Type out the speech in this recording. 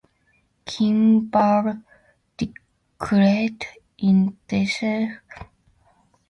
Kimball declares itself as the The High Point of Nebraska!